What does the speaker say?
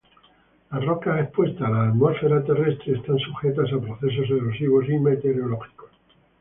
Las rocas expuestas a la atmósfera terrestre están sujetas a procesos erosivos y meteorológicos.